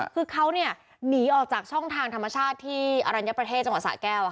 คือเขาหนีออกจากช่องทางธรรมชาติที่อรัญญประเทศจังหวัดสะแก้ว